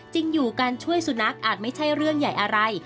อยู่การช่วยสุนัขอาจไม่ใช่เรื่องใหญ่อะไร